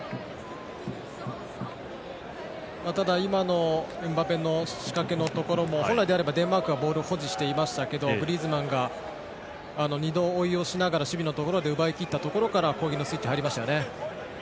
ただエムバペの仕掛けのところも本来であればデンマークがボールを保持していましたけどグリーズマンが守備のところで奪いきったところから攻撃のスイッチが入りましたよね。